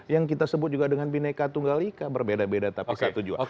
yang kita sebut juga dengan bineka tunggal ika berbeda beda tapi satu dua